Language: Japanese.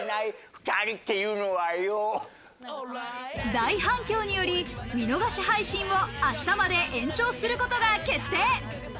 大反響により見逃し配信を明日まで延長することが決定。